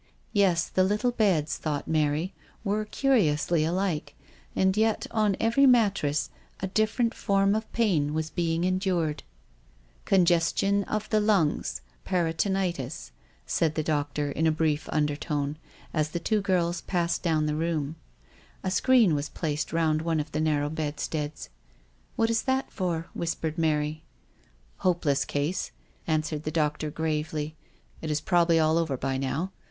Yes, the little beds, thought Mary, were curiously alike, and yet on every mattress a different form of pain was being endured. " Kidney disease, congestion of the lungs, abscess of the liver, peritonitis," said the doc 230 THE 8T0RT OF A MODERN WOMAN. tor in an undertone as the two girls passed down the room. A screen was placed round one of the narrow bedsteads. u What is that for ?" whispered Mary. "Hopeless case," answered the doctor gravely. " It is probably all over by now.